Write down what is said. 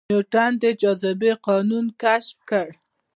نیوټن د جاذبې قانون کشف کړ